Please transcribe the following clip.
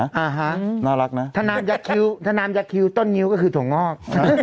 อ่าฮะน่ารักนะถนนามยักษ์คิ้วถนนามยักษ์คิ้วต้นนิ้วก็คือถงงอก